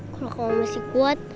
kalau kamu masih kuat